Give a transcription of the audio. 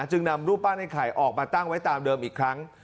จึงนำรูปปั้นไอ้ไข่ออกมาตั้งไว้ตามเดิมอีกครั้ง